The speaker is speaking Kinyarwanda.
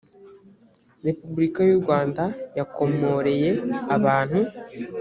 repubulika y u rwanda yakomoreye abantu